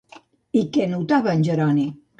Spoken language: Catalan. I què notava, en Jeroni?